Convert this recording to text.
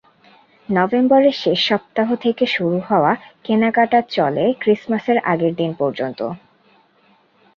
নভেম্বরের শেষ সপ্তাহ থেকে শুরু হওয়া কেনাকাটা চলে ক্রিসমাসের আগের দিন পর্যন্ত।